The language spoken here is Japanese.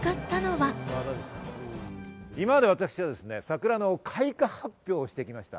今まで私は桜の開花発表をしてきました。